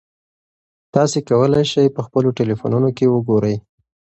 تاسي کولای شئ په خپلو ټیلیفونونو کې وګورئ.